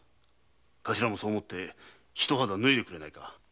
頭もそう思って一肌脱いでくれないか。